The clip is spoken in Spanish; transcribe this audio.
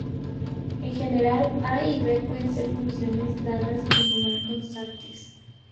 En general "a" y "b" pueden ser funciones dadas en lugar de constantes.